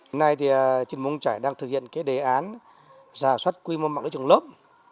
hôm nay thì trường môn trải đang thực hiện cái đề án giả soát quy mô mạng đối trường lớp